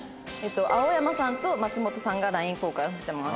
青山さんと松本さんがＬＩＮＥ交換してます。